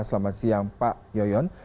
selamat siang pak yoyon